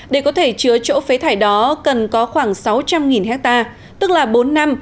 để có thể chứa chỗ phế thải đó cần có khoảng sáu trăm linh ha tức là bốn năm